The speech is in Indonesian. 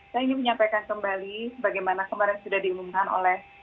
saya ingin menyampaikan kembali sebagaimana kemarin sudah diumumkan oleh